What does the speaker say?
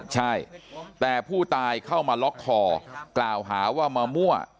ใช่แต่ผู้ตายเข้ามาล็อกคอกล่าวหาว่ามามั่ว